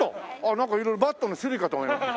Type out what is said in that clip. なんか色々バットの種類かと思いました。